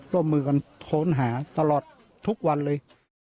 ร่วมมือกันค้นหาตลอดทุกวันเลย